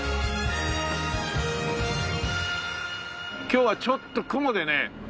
今日はちょっと雲でね